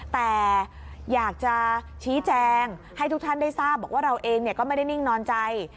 แต่อยากจะชี้แจงให้ทุกท่านได้ทราบบอกว่าเราเองก็ไม่ได้นิ่งนอนใจ